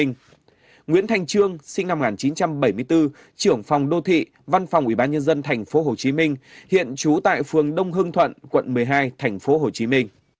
đào anh kiệt sinh năm một nghìn chín trăm bảy mươi bốn nguyên giám đốc sở tài nguyên và môi trường tp hcm hiện trú tại phường bảy quận ba tp hcm